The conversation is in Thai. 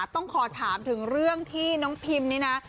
ต้องขอถามถึงเรื่องที่น้องพิมนี่นะ